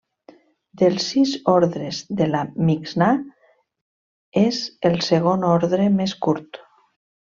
Dels sis ordres de la Mixnà, és el segon ordre més curt.